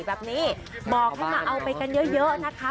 แบบนี้บอกให้มาเอาไปกันเยอะนะคะ